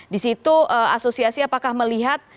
disitu asosiasi apakah melihat